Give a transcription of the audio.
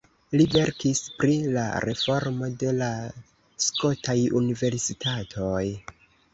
Li verkis pri la reformo de la skotaj universitatoj.